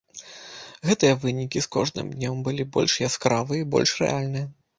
Гэтыя вынікі з кожным днём былі больш яскравыя і больш рэальныя.